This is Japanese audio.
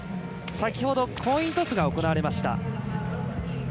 先程、コイントスが行われました。